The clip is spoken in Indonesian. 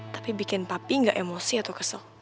tapi bikin papi gak emosi atau kesel